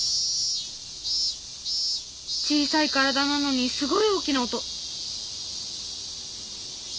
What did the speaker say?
小さい体なのにすごい大きな音。